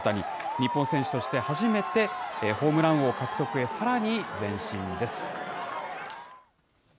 日本選手として初めてホームラン王獲得へ、さらに前進です。